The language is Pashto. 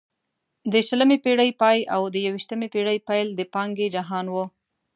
د شلمې پېړۍ پای او د یوویشتمې پېړۍ پیل د پانګې جهان وو.